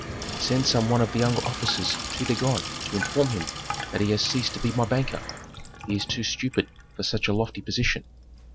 "Send some one of the younger officers to Dagon to inform him that he has ceased to be my banker. He is too stupid for such a lofty position."